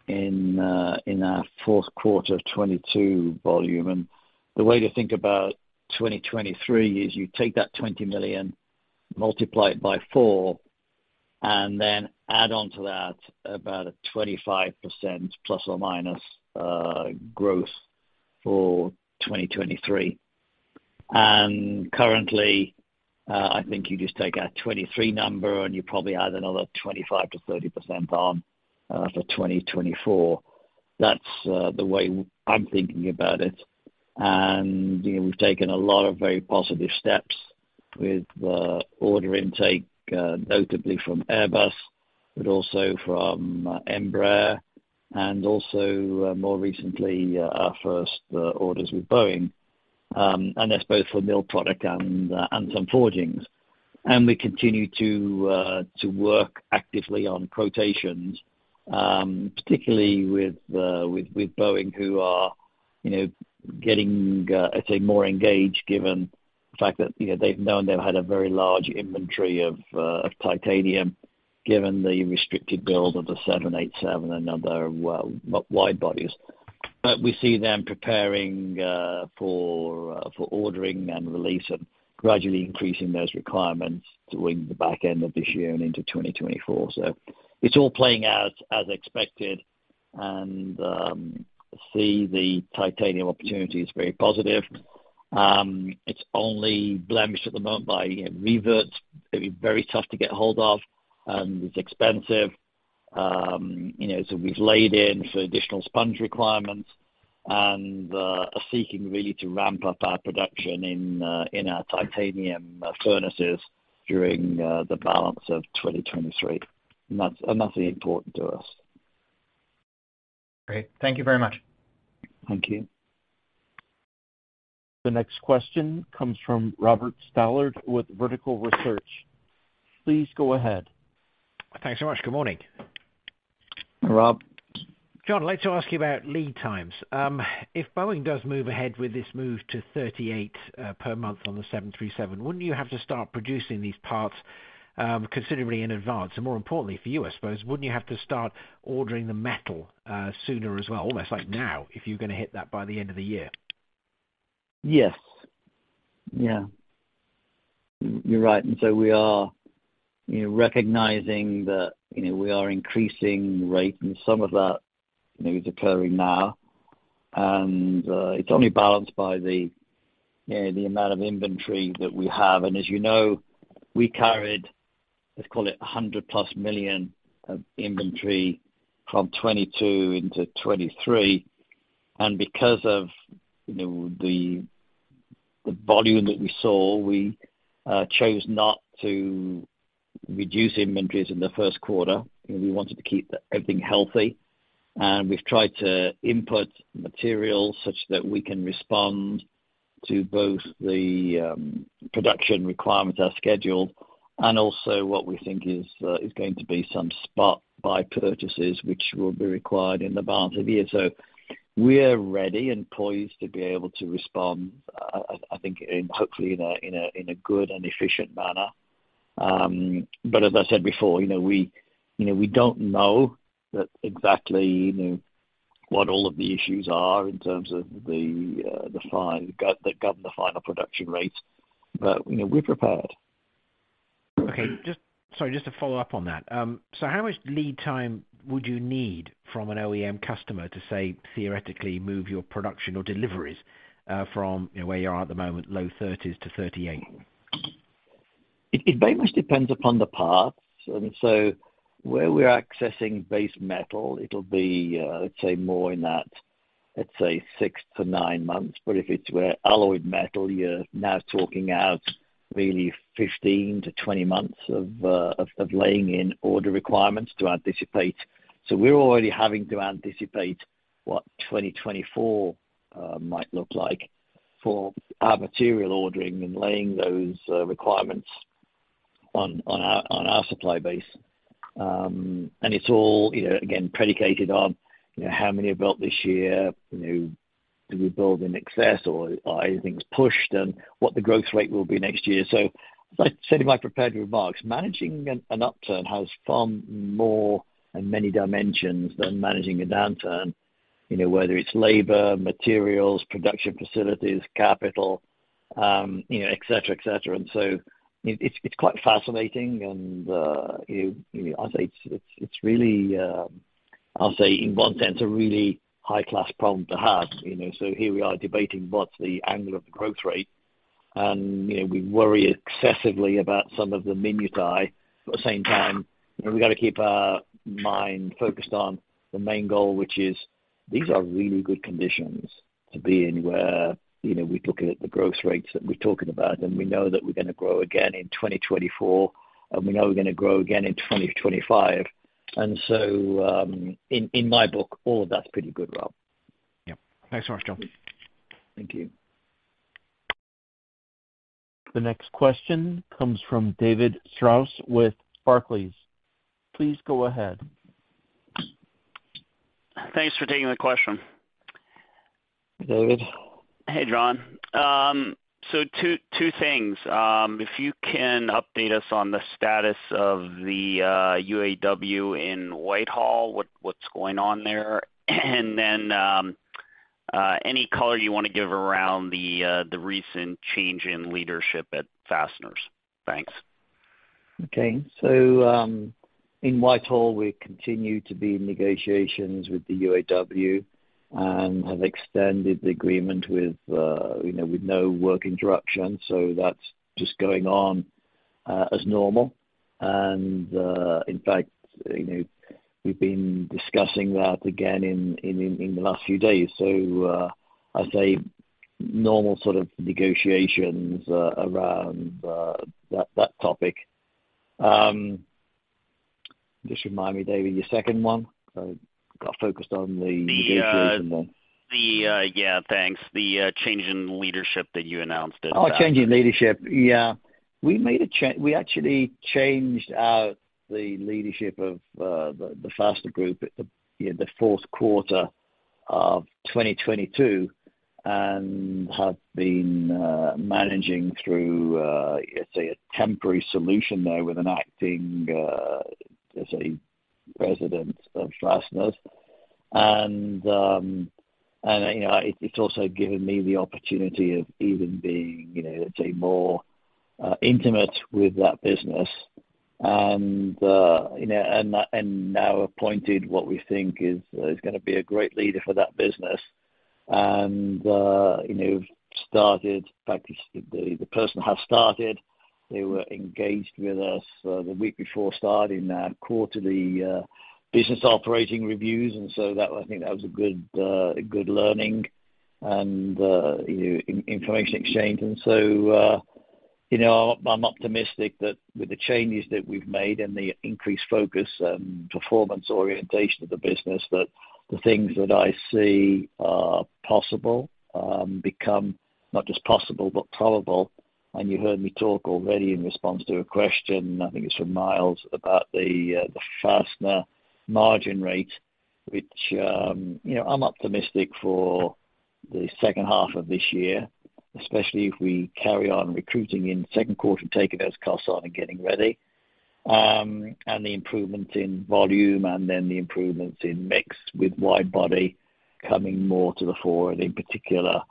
[SPEAKER 3] in our fourth quarter of 2022 volume. The way to think about 2023 is you take that $20 million, multiply it by four, and then add on to that about a 25% ± growth for 2023. Currently, I think you just take our 2023 number and you probably add another 25%-30% on for 2024. That's the way I'm thinking about it. You know, we've taken a lot of very positive steps with order intake, notably from Airbus, but also from Embraer and also more recently, our first orders with Boeing. That's both for mill product and some forgings. We continue to work actively on quotations, particularly with Boeing, who are, you know, getting, I'd say, more engaged given the fact that, you know, they've known they've had a very large inventory of titanium, given the restricted build of the 787 and other wide bodies. We see them preparing for ordering and release and gradually increasing those requirements during the back end of this year and into 2024. It's all playing out as expected and see the titanium opportunity as very positive. It's only blemished at the moment by reverts. It'd be very tough to get a hold of, and it's expensive. You know, so we've laid in for additional sponge requirements and are seeking really to ramp up our production in in our titanium furnaces during the balance of 2023. That's important to us.
[SPEAKER 10] Great. Thank you very much.
[SPEAKER 3] Thank you.
[SPEAKER 1] The next question comes from Robert Stallard with Vertical Research. Please go ahead.
[SPEAKER 11] Thanks so much. Good morning.
[SPEAKER 3] Rob.
[SPEAKER 11] John, I'd like to ask you about lead times. If Boeing does move ahead with this move to 38 per month on the 737, wouldn't you have to start producing these parts considerably in advance? More importantly for you, I suppose, wouldn't you have to start ordering the metal sooner as well, almost like now, if you're gonna hit that by the end of the year?
[SPEAKER 3] Yes. Yeah. You're right. We are, you know, recognizing that, you know, we are increasing rate and some of that, you know, is occurring now. It's only balanced by the, you know, the amount of inventory that we have. As you know, we carried, let's call it $100+ million of inventory from 2022 into 2023. Because of, you know, the volume that we saw, we chose not to reduce inventories in the first quarter. You know, we wanted to keep everything healthy. We've tried to input materials such that we can respond to both the production requirements as scheduled, and also what we think is going to be some spot buy purchases, which will be required in the balance of the year. We're ready and poised to be able to respond, I think in, hopefully in a good and efficient manner. As I said before, you know, we don't know that exactly, you know, what all of the issues are in terms of the that govern the final production rates. You know, we're prepared.
[SPEAKER 11] Okay. Sorry, just to follow up on that. How much lead time would you need from an OEM customer to, say, theoretically move your production or deliveries, from where you are at the moment, low 30s to 38?
[SPEAKER 3] It very much depends upon the parts. Where we're accessing base metal, it'll be, let's say more in that, let's say six to nine months. If it's where alloyed metal, you're now talking out really 15-20 months of laying in order requirements to anticipate. We're already having to anticipate what 2024 might look like for our material ordering and laying those requirements on our supply base. And it's all, you know, again, predicated on, you know, how many are built this year. You know, do we build in excess or anything's pushed, and what the growth rate will be next year. As I said in my prepared remarks, managing an upturn has far more and many dimensions than managing a downturn. You know, whether it's labor, materials, production facilities, capital, you know, et cetera, et cetera. It, it's quite fascinating and, you know, I'd say it's, it's really, I'll say in one sense, a really high-class problem to have. You know, here we are debating what's the angle of the growth rate, and, you know, we worry excessively about some of the minutiae, but at the same time, you know, we've got to keep our mind focused on the main goal, which is these are really good conditions to be in where, you know, we're looking at the growth rates that we're talking about, and we know that we're gonna grow again in 2024, and we know we're gonna grow again in 2025. In, in my book, all of that's pretty good, Rob.
[SPEAKER 11] Yeah. Thanks so much, John.
[SPEAKER 3] Thank you.
[SPEAKER 1] The next question comes from David Strauss with Barclays. Please go ahead.
[SPEAKER 12] Thanks for taking the question.
[SPEAKER 3] David.
[SPEAKER 12] Hey, John. Two things. If you can update us on the status of the UAW in Whitehall, what's going on there? Any color you wanna give around the recent change in leadership at Fasteners. Thanks.
[SPEAKER 3] Okay. In Whitehall, we continue to be in negotiations with the UAW and have extended the agreement with, you know, with no work interruption. That's just going on, as normal. In fact, you know, we've been discussing that again in the last few days. I'd say normal sort of negotiations around that topic. Just remind me, David, your second one. I got focused on the negotiation one.
[SPEAKER 12] Yeah, thanks. The change in leadership that you announced at Fasteners.
[SPEAKER 3] Change in leadership. Yeah. We actually changed out the leadership of the Faster Group at the fourth quarter of 2022, and have been managing through, let's say a temporary solution there with an acting, let's say, president of fasteners. You know, it's also given me the opportunity of even being, let's say more intimate with that business. You know, and now appointed what we think is gonna be a great leader for that business. You know, the person has started. They were engaged with us the week before starting our quarterly business operating reviews. That was, I think that was a good learning and, you know, information exchange. You know, I'm optimistic that with the changes that we've made and the increased focus and performance orientation of the business, that the things that I see are possible, become not just possible but probable. You heard me talk already in response to a question, I think it's from Myles, about the Fastener margin rate, which, you know, I'm optimistic for the second half of this year, especially if we carry on recruiting in the second quarter and taking those costs on and getting ready. The improvement in volume, and then the improvements in mix with wide body coming more to the fore. In particular,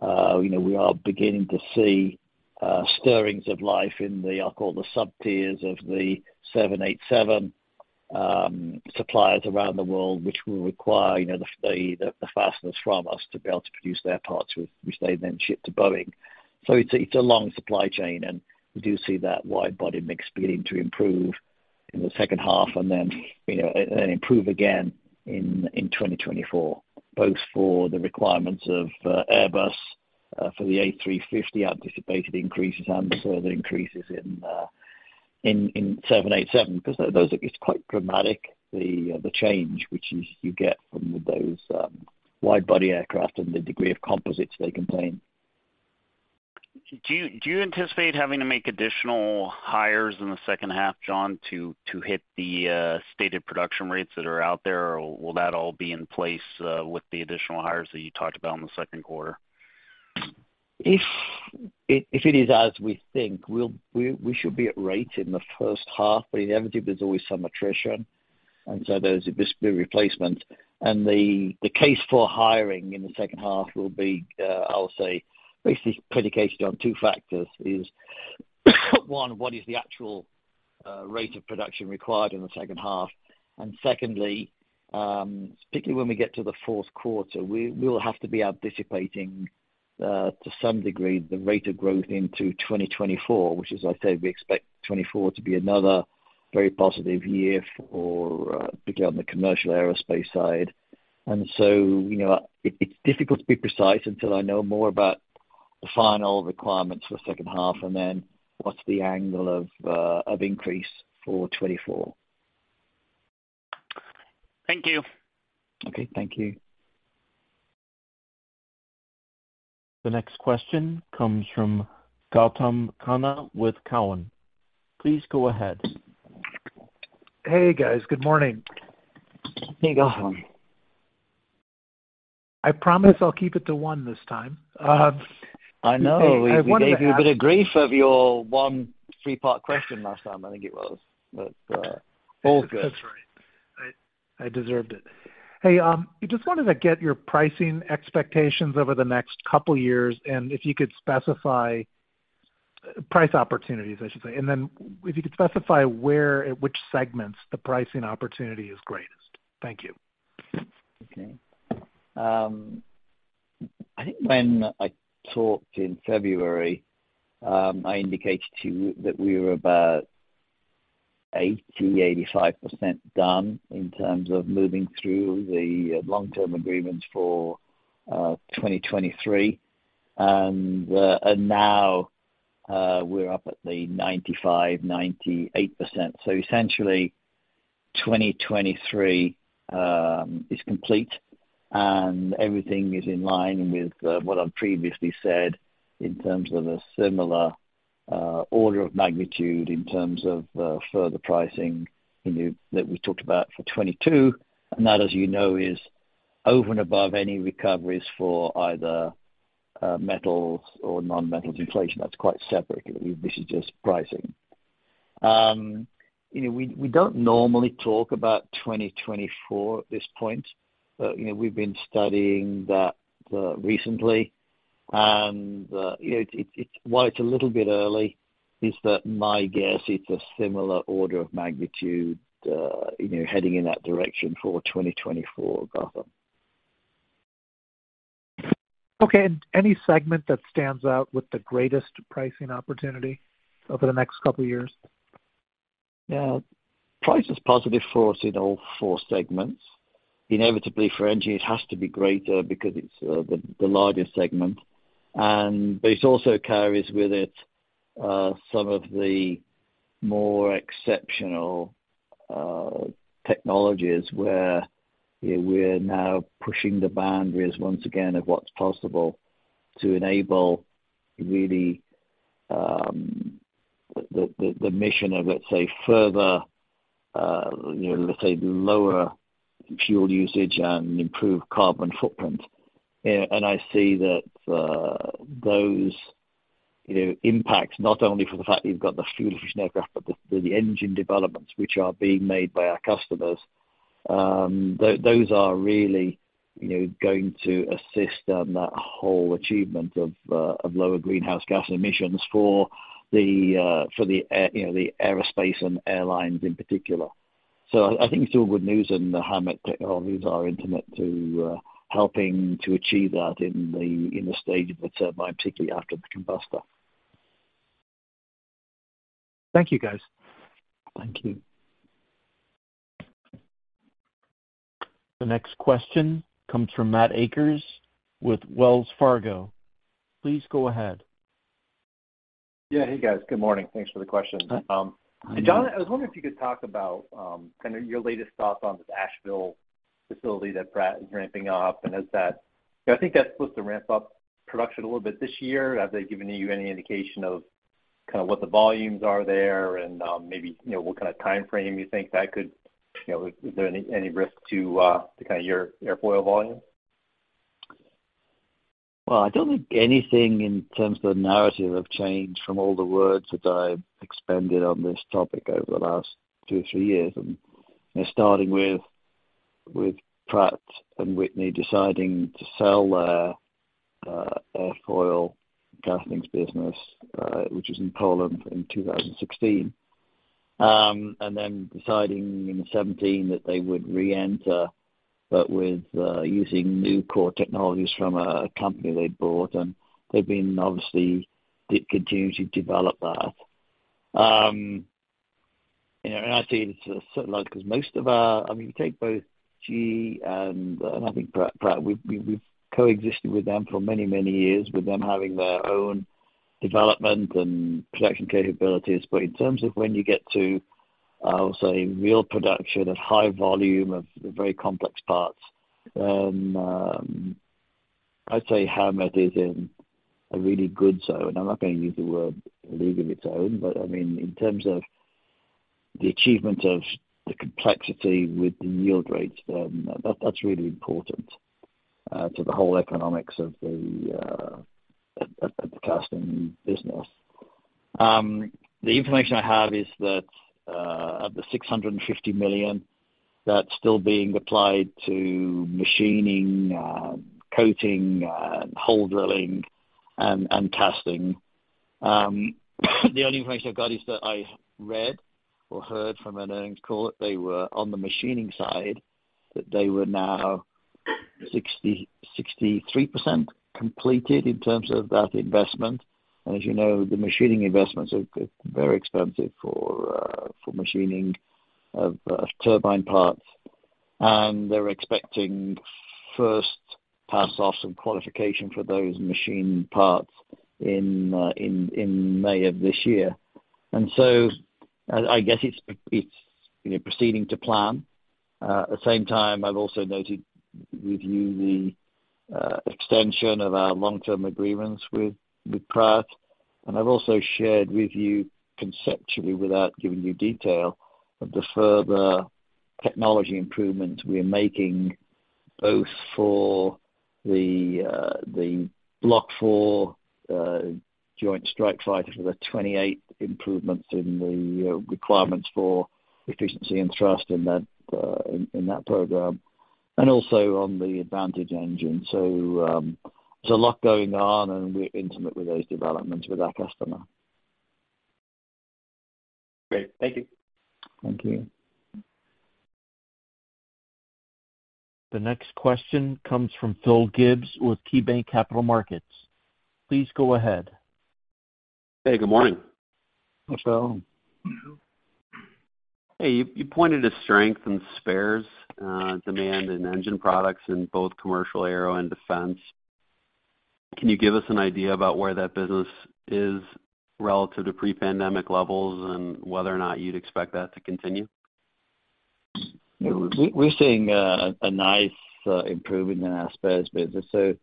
[SPEAKER 3] you know, we are beginning to see stirrings of life in the, I'll call it the sub tiers of the 787 suppliers around the world, which will require, you know, the fasteners from us to be able to produce their parts, which they then ship to Boeing. It's a long supply chain, and we do see that wide body mix beginning to improve in the second half and then, you know, improve again in 2024, both for the requirements of Airbus for the A350 anticipated increases and further increases in 787, because it's quite dramatic, the change which you get from those wide body aircraft and the degree of composites they contain.
[SPEAKER 12] Do you anticipate having to make additional hires in the second half, John, to hit the stated production rates that are out there? Or will that all be in place with the additional hires that you talked about in the second quarter?
[SPEAKER 3] If it is as we think, we should be at rate in the first half, inevitably there's always some attrition, there's obviously replacement. The case for hiring in the second half will be, I'll say, basically predicated on two factors. Is one, what is the actual rate of production required in the second half? Secondly, particularly when we get to the fourth quarter, we will have to be anticipating, to some degree the rate of growth into 2024, which as I said, we expect 2024 to be another very positive year for, particularly on the Commercial Aerospace side. You know, it's difficult to be precise until I know more about the final requirements for the second half, and then what's the angle of increase for 2024.
[SPEAKER 12] Thank you.
[SPEAKER 3] Okay. Thank you.
[SPEAKER 1] The next question comes from Gautam Khanna with Cowen. Please go ahead.
[SPEAKER 13] Hey, guys. Good morning.
[SPEAKER 3] Hey, Gautam.
[SPEAKER 13] I promise I'll keep it to one this time.
[SPEAKER 3] I know.
[SPEAKER 13] Hey, I wanted to ask—
[SPEAKER 3] We gave you a bit of grief of your one three-part question last time, I think it was. All is good.
[SPEAKER 13] That's right. I deserved it. Hey, just wanted to get your pricing expectations over the next couple years, and if you could specify price opportunities, I should say, and then if you could specify where, at which segments the pricing opportunity is greatest. Thank you.
[SPEAKER 3] Okay. I think when I talked in February, I indicated to you that we were about 80%-85% done in terms of moving through the long-term agreements for 2023. Now, we're up at the 95%-98%. Essentially, 2023 is complete and everything is in line with what I've previously said in terms of a similar order of magnitude, in terms of further pricing, you know, that we talked about for 2022. That, as you know, is over and above any recoveries for either metals or non-metals inflation. That's quite separate. This is just pricing. You know, we don't normally talk about 2024 at this point. You know, we've been studying that recently. You know, it's while it's a little bit early, is that my guess it's a similar order of magnitude, you know, heading in that direction for 2024, Gautam.
[SPEAKER 13] Okay. Any segment that stands out with the greatest pricing opportunity over the next couple of years?
[SPEAKER 3] Yeah. Price is positive for us in all four segments. Inevitably for Engine, it has to be greater because it's the largest segment. But it also carries with it some of the more exceptional technologies where we're now pushing the boundaries once again of what's possible to enable really the mission of, let's say, further, you know, let's say lower fuel usage and improved carbon footprint. I see that, those, you know, impacts not only for the fact that you've got the fuel efficient aircraft, but the engine developments which are being made by our customers, those are really, you know, going to assist on that whole achievement of lower greenhouse gas emissions for the, for the air, you know, the aerospace and airlines in particular. I think it's all good news, and the Howmet technologies are intimate to, helping to achieve that in the, in the stage of the turbine, particularly after the combustor.
[SPEAKER 13] Thank you, guys.
[SPEAKER 3] Thank you.
[SPEAKER 1] The next question comes from Matt Akers with Wells Fargo. Please go ahead.
[SPEAKER 14] Yeah. Hey, guys. Good morning. Thanks for the question.
[SPEAKER 3] Hi.
[SPEAKER 14] John, I was wondering if you could talk about, kind of your latest thoughts on this Asheville facility that Pratt is ramping up. I think that's supposed to ramp up production a little bit this year. Have they given you any indication of kind of what the volumes are there and, maybe, you know, what kind of timeframe you think that could, you know, is there any risk to kind of your airfoil volume?
[SPEAKER 3] Well, I don't think anything in terms of the narrative have changed from all the words that I've expended on this topic over the last two, three years. You know, starting with Pratt & Whitney deciding to sell their airfoil castings business, which is in Poland, in 2016. Then deciding in 2017 that they would re-enter, but with using new core technologies from a company they bought. They've been obviously continue to develop that. You know, I mean, take both GE and I think Pratt. We've coexisted with them for many, many years, with them having their own development and production capabilities. In terms of when you get to, I would say, real production of high volume of very complex parts, I'd say Howmet is in a really good zone. I'm not gonna use the word league of its own, but I mean, in terms of the achievement of the complexity with the yield rates, that's really important to the whole economics of the casting business. The information I have is that of the $650 million that's still being applied to machining, coating, hole drilling and casting, the only information I've got is that I read or heard from an earnings call that they were on the machining side, that they were now 63% completed in terms of that investment. As you know, the machining investments are very expensive for machining of turbine parts. They're expecting first pass off some qualification for those machine parts in May of this year. I guess it's, you know, proceeding to plan. At the same time, I've also noted with you the extension of our long-term agreements with Pratt. I've also shared with you conceptually, without giving you detail, of the further technology improvements we're making, both for the Block 4 Joint Strike Fighter for the 28 improvements in the requirements for efficiency and thrust in that program, and also on the GTF Advantage engine. There's a lot going on, and we're intimate with those developments with our customer.
[SPEAKER 14] Great. Thank you.
[SPEAKER 3] Thank you.
[SPEAKER 1] The next question comes from Phil Gibbs with KeyBanc Capital Markets. Please go ahead.
[SPEAKER 15] Hey, good morning.
[SPEAKER 3] Hi, Phil.
[SPEAKER 15] Hey. You pointed to strength in spares, demand in Engine Products in both Commercial Aero and Defense. Can you give us an idea about where that business is relative to pre-pandemic levels and whether or not you'd expect that to continue?
[SPEAKER 3] We're seeing a nice improvement in our spares business. If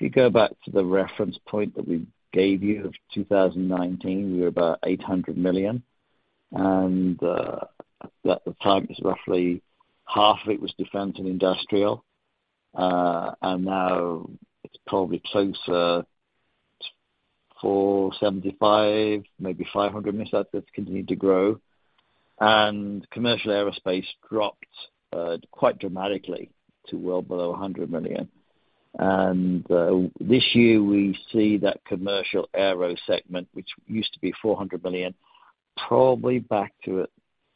[SPEAKER 3] you go back to the reference point that we gave you of 2019, we were about $800 million. At the time it was roughly half of it was Defense and Industrial. Now it's probably closer to $475 million, maybe $500 million. That's continued to grow. Commercial Aerospace dropped quite dramatically to well below $100 million. This year we see that Commercial Aero segment, which used to be $400 million, probably back to at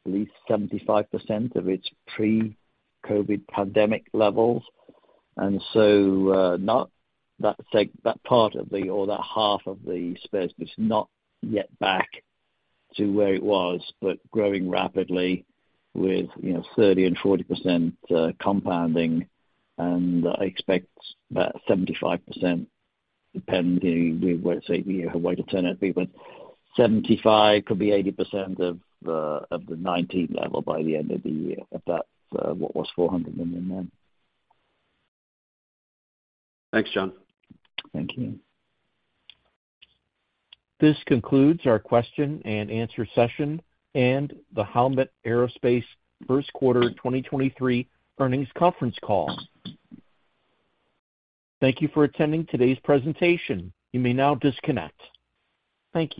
[SPEAKER 3] least 75% of its pre-COVID-19 pandemic levels. That part of the or that half of the spares is not yet back to where it was, but growing rapidly with, you know, 30% and 40% compounding. I expect that 75%, depending, we won't say the way it will turn out to be, but 75%, could be 80% of the 2019 level by the end of the year of that, what was $400 million then.
[SPEAKER 15] Thanks, John.
[SPEAKER 3] Thank you.
[SPEAKER 1] This concludes our question and answer session and the Howmet Aerospace first quarter 2023 earnings conference call. Thank you for attending today's presentation. You may now disconnect. Thank you.